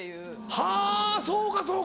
はぁそうかそうか。